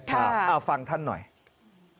ค่ะเลยครับอ่ะฟังท่านหน่อยค่ะ